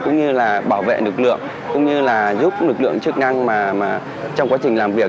cũng như là bảo vệ lực lượng cũng như là giúp lực lượng chức năng mà trong quá trình làm việc